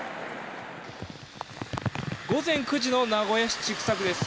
午前９時の名古屋市千種区です。